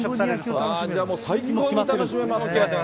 じゃあもう、最高に楽しめますね。